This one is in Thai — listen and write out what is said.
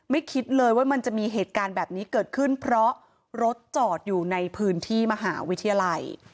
คิดเลยว่ามันจะมีเหตุการณ์แบบนี้เกิดขึ้นเพราะรถจอดอยู่ในพื้นที่มหาวิทยาลัย